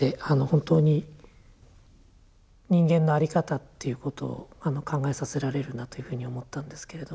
本当に人間のあり方っていうことを考えさせられるなというふうに思ったんですけれども。